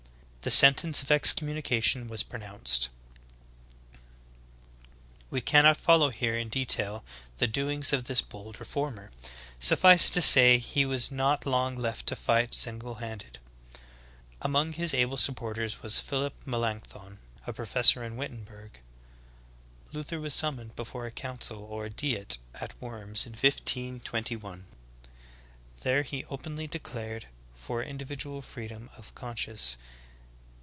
The sentence of excommunication v/as pronounced. 7. We cannot follow here in detail the doings of this bold reformer. Suffice it to say, he was not long left to fight b Myers, "Gen. Hist," p. 520. THE REFORMATION. 153 single handed. Among his able supporters was Phillip Melancthon, a professor in Wittenberg. Luther ,vas sum moned before a council or ''Diet*' at Worms in 1521, There he openly declared for individual freedom of conscience.